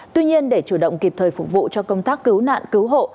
tuy nhiên để chủ động kịp thời phục vụ cho công tác cứu nạn cứu hộ